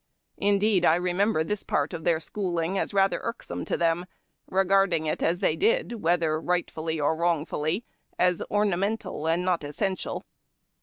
Indeed, I remember this part of their schooling as rather irksome to them, regarding it as they did, whether rightfully or wrongfully, as ornamental and not essential.